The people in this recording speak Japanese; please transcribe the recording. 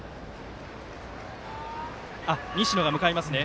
西野が向かいますね。